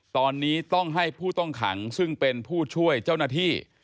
ตอนนี้ต้องให้ผู้ต้องขังซึ่งเป็นผู้ช่วยเจ้าหน้าที่